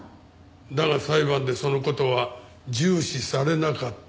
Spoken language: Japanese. だが裁判でその事は重視されなかった。